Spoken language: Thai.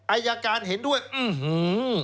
อายการเห็นด้วยอื้อหือ